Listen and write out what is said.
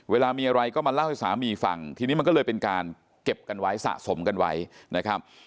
เวลามีอะไรก็มาเล่าให้สามีฟังทีนี้มันก็เลยเป็นการเก็บกันไว้สะสมกันไว้นะครับ